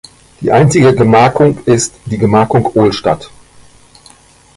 Die einzige Gemarkung ist die Gemarkung Ohlstadt.